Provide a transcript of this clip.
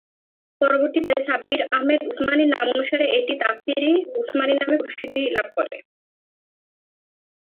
পরবর্তীতে শাব্বির আহমেদ উসমানির নামানুসারে এটি তাফসীরে উসমানী নামে প্রসিদ্ধি লাভ করে।